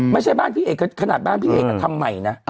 ไม่ใช่บ้านพี่เอกขนาดบ้านพี่เอกทำใหม่นะ